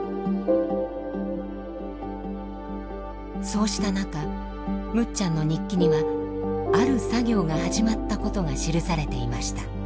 そうした中むっちゃんの日記にはある作業が始まったことが記されていました。